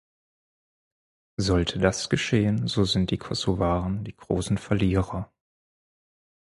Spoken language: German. Sollte das geschehen, so sind die Kosovaren die großen Verlierer.